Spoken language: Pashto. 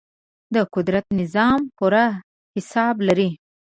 د قدرت نظام پوره حساب لري.